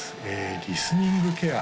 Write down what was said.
リスニングケア